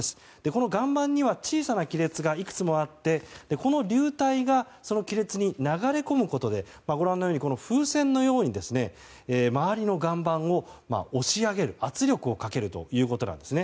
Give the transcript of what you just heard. この岩盤には小さな亀裂がいくつもあってこの流体がその亀裂に流れ込むことでご覧のように風船のように周りの岩盤を押し上げる圧力をかけるということです。